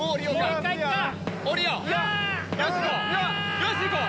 よし行こう！